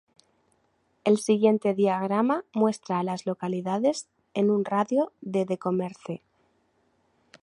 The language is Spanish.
El siguiente diagrama muestra a las localidades en un radio de de Commerce.